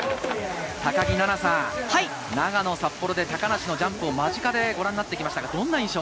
高木菜那さん、長野、札幌で高梨のジャンプを真近でご覧になってきました。